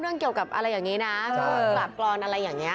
เรื่องเกี่ยวกับอะไรอย่างนี้นะกราบกรอนอะไรอย่างนี้